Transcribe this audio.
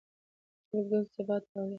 د خلکو ګډون ثبات راولي